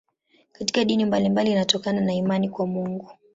Katika dini mbalimbali inatokana na imani kwa Mungu.